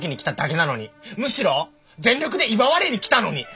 むしろ全力で祝われに来たのに！